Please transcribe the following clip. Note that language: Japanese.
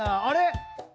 あれっ？